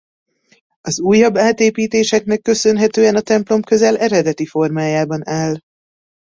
Az újabb átépítéseknek köszönhetően a templom közel eredeti formájában áll.